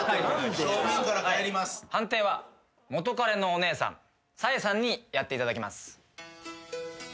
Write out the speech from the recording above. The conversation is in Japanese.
判定は元カレのお姉さん紗絵さんにやっていただきます。